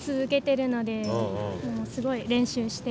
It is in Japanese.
すごい練習して。